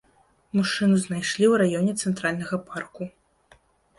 Мужчыну знайшлі ў раёне цэнтральнага парку.